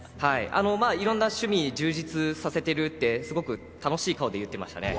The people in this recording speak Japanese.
いろんな趣味を充実させているって楽しい顔で言ってました。